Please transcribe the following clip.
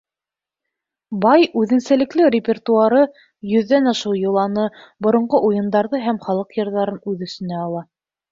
Бай, үҙенсәлекле репертуары йөҙҙән ашыу йоланы, боронғо уйындарҙы һәм халыҡ йырҙарын үҙ эсенә ала.